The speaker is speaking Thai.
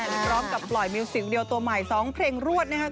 พร้อมกับปล่อยมิวสิวเดียวตัวใหม่๒เพลงรวดนะครับ